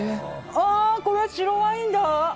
これは白ワインだ！